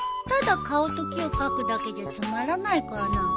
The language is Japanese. ただ顔と木を描くだけじゃつまらないかな？